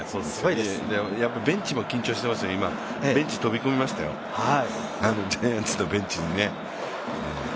やっぱりベンチも緊張していますね、今ベンチに飛び込みましたよ、ジャイアンツのベンチに。